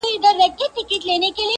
جانان ته تر منزله رسېدل خو تکل غواړي!.